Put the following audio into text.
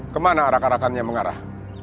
kemana arak arakannya mengarah